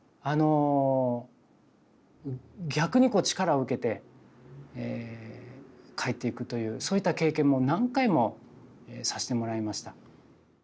逆に力を受けて帰っていくというそういった経験もう何回もさせてもらいました。